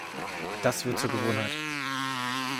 Das wird zur Gewohnheit.